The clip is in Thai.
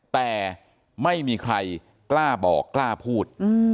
แต่ไม่มีใครกล้าบอกกล้าพูด